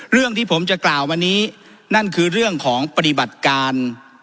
เรื่องที่ผมจะกล่าวมานี้นั่นคือเรื่องของปฏิบัติการ